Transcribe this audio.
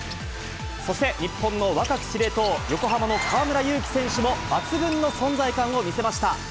そして日本の若き司令塔、横浜の河村勇輝選手も抜群の存在感を見せました。